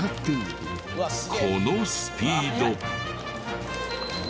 このスピード！